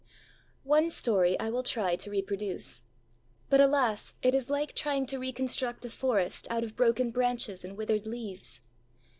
One story I will try to reproduce. But, alas! it is like trying to reconstruct a forest out of broken branches and withered leaves.